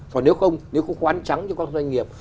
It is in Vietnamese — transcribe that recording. còn nếu không nếu không khoán trắng cho các doanh nghiệp